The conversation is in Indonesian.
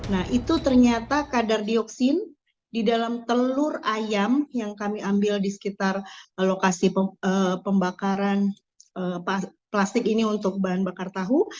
nah itu ternyata kadar dioksin di dalam telur ayam yang kami ambil di sekitar lokasi pembakaran plastik ini untuk bahan bakar tahu